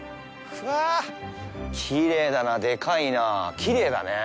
うわあ、きれいだな、でかいな、きれいだね。